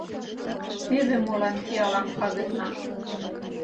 Теве молан пиалан пагытна.